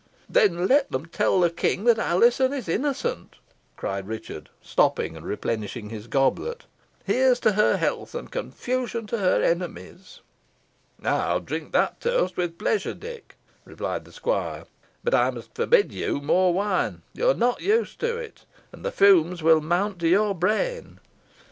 "Then let them tell the King that Alizon is innocent," cried Richard, stopping, and replenishing his goblet, "Here's to her health, and confusion to her enemies!" "I'll drink that toast with pleasure, Dick," replied the squire; "but I must forbid you more wine. You are not used to it, and the fumes will mount to your brain."